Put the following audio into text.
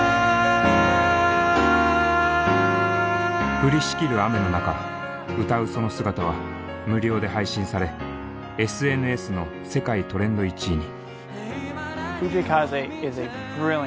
降りしきる雨の中歌うその姿は無料で配信されＳＮＳの世界トレンド１位に。